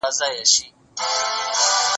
د جرګې او حکومت اختلاف څنګه حلیږي؟